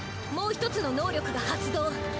もう１つの能力が発動。